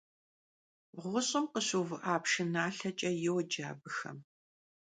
«Ğuş'ım khışıuvı'a pşşınalheç'e» yoce abıxem.